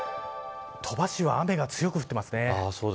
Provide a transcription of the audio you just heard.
鳥羽市は雨が強く降っていますね。